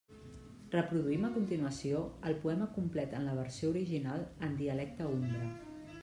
Reproduïm a continuació el poema complet en la versió original en dialecte umbre.